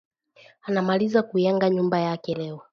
Anamaliza ku yenga nyumba yake leo